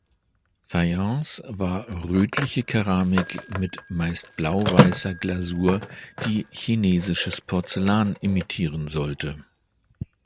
Fayence war rötliche Keramik mit meist blau-weißer Glasur, die chinesisches Porzellan imitieren sollte.